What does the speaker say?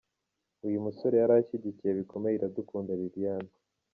Uyu musore yari ashyigikiye bikomeye Iradukunda Liliane.